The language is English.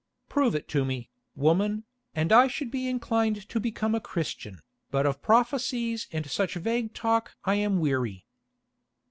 "Prove it to me, woman, and I should be inclined to become a Christian, but of prophecies and such vague talk I am weary."